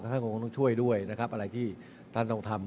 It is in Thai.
ท่านก็คงต้องช่วยด้วยนะครับอะไรที่ท่านต้องทำ